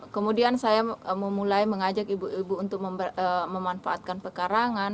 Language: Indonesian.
kemudian saya memulai mengajak ibu ibu untuk memanfaatkan pekarangan